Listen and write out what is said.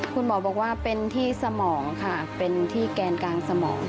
คุณหมอบอกว่าเป็นที่สมองค่ะเป็นที่แกนกลางสมอง